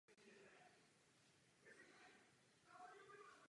Osobně mám větší důvěru ve francouzské voliče.